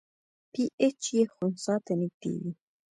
پی ایچ یې خنثی ته نږدې وي.